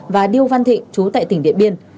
và điêu văn thịnh chú tại tỉnh điện biên